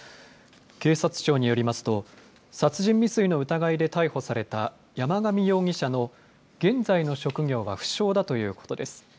警察庁によりますと殺人未遂の疑いで逮捕された山上容疑者の現在の職業は不詳だということです。